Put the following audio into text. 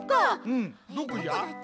うんどこじゃ？